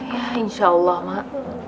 ya insya allah mak